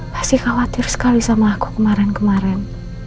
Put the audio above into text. pasti khawatir sekali sama aku kemarin kemarin